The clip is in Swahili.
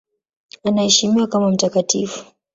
Anaheshimiwa kama mtakatifu.